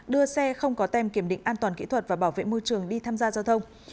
đưa xe không có tem kiểm định an toàn kỹ thuật và bảo vệ môi trường đi tham gia giao thông